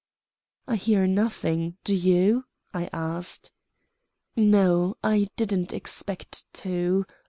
"I hear nothing; do you?" I asked. "No. I didn't expect to.